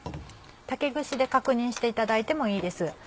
竹串で確認していただいてもいいです。